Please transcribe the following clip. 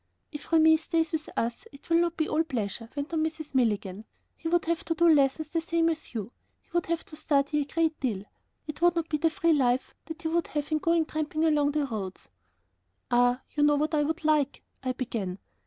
"If Remi stays with us it will not be all pleasure," went on Mrs. Milligan; "he would have to do lessons the same as you; he would have to study a great deal; it would not be the free life that he would have in going tramping along the roads." "Ah, you know what I would like,..." I began.